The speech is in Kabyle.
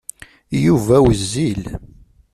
Yuba wezzil.